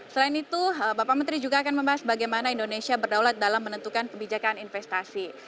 selain itu bapak menteri juga akan membahas bagaimana indonesia berdaulat dalam menentukan kebijakan investasi